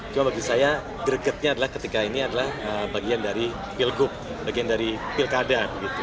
cuma bagi saya gregetnya adalah ketika ini adalah bagian dari pilgub bagian dari pilkada